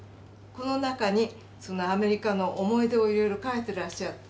この中にアメリカの思い出をいろいろ書いてらっしゃって。